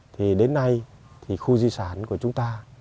thì đến nay khu di sản của chúng ta